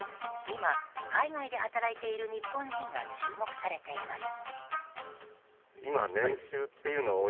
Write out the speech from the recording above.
今、海外で働いている日本人が注目されています。